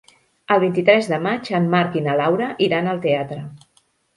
El vint-i-tres de maig en Marc i na Laura iran al teatre.